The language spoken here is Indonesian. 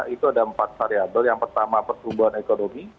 itu ada empat variabel yang pertama pertumbuhan ekonomi